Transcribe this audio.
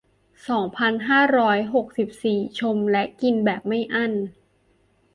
สองพันห้าร้อยหกสิบสี่ ชมและกินแบบไม่อั้น